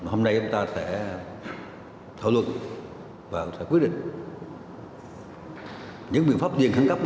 hôm nay chúng ta sẽ thảo luận và sẽ quyết định những biện pháp riêng khẳng cấp